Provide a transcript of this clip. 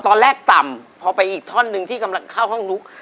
ต่ำพอไปอีกท่อนหนึ่งที่กำลังเข้าห้องนุ๊ก